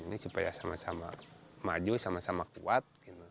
ini supaya sama sama maju sama sama kuat